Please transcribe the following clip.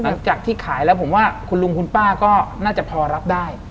หลังจากที่ขายแล้วผมว่าคุณลุงคุณป้าก็น่าจะพอรับได้